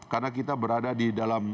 karena kita berada di dalam